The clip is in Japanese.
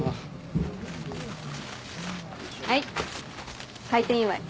はい開店祝い。